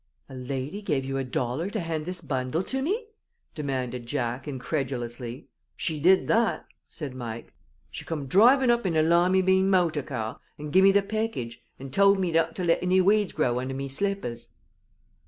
"A lady gave you a dollar to hand this bundle to me?" demanded Jack, incredulously. "She did that," said Mike. "She come drivin' up in her limybean motor car, and give me the package, and tould me not to let anny weeds grow under me slippers."